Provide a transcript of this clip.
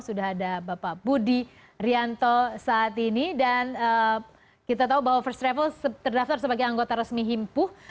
sudah ada bapak budi rianto saat ini dan kita tahu bahwa first travel terdaftar sebagai anggota resmi himpuh